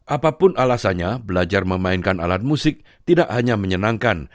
apapun alasannya belajar memainkan alat musik tidak hanya menyenangkan